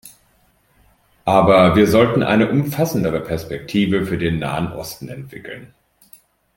Aber wir sollten eine umfassendere Perspektive für den Nahen Osten entwickeln.